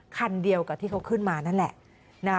คันเดียวกับที่เขาขึ้นมานั่นแหละ